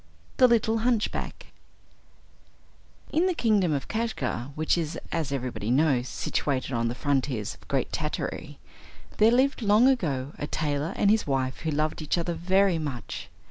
The Little Hunchback In the kingdom of Kashgar, which is, as everybody knows, situated on the frontiers of Great Tartary, there lived long ago a tailor and his wife who loved each other very much.